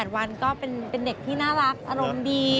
วันก็เป็นเด็กที่น่ารักอารมณ์ดี